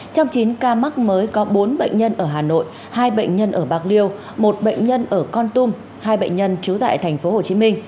trong chín ca mắc mới có bốn bệnh nhân ở hà nội hai bệnh nhân ở bạc liêu một bệnh nhân ở con tum hai bệnh nhân trú tại tp hcm